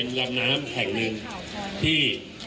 คุณผู้ชมไปฟังผู้ว่ารัฐกาลจังหวัดเชียงรายแถลงตอนนี้ค่ะ